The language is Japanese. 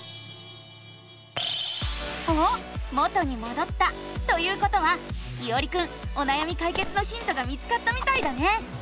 おっ元にもどったということはいおりくんおなやみかいけつのヒントが見つかったみたいだね！